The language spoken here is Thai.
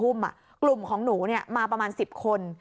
เมื่อวานเนี้ยตอนสี่ทุ่มอ่ะกลุ่มของหนูเนี้ยมาประมาณสิบคน